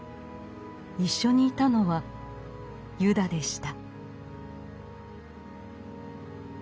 一緒にいたのはユダでした。